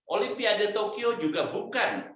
olimpiade tokyo juga bukan